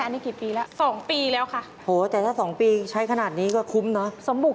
น้องเอาไปจิ้มลูก